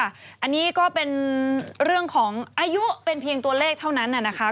อันนี้ก็เป็นเรื่องของอายุเป็นเพียงตัวเลขเท่านั้นนะคะ